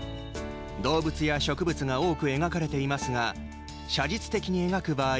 動物や植物が多く描かれていますが写実的に描く場合